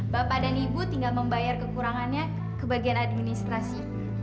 bapak dan ibu tinggal membayar kekurangannya ke bagian administrasi